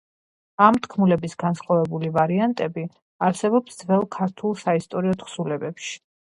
ამ თქმულების განსხვავებული ვარიანტები არსებობს ძველ ქართულ საისტორიო თხზულებებში.